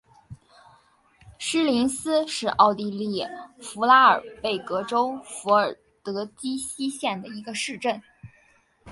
施林斯是奥地利福拉尔贝格州费尔德基希县的一个市镇。